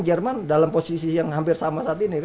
jerman dalam posisi yang hampir sama saat ini